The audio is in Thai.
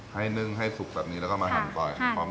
นึ่งให้สุกแบบนี้แล้วก็มาหั่นก่อน